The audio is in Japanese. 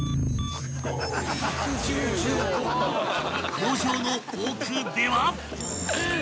［工場の奥では］